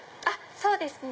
そうですね。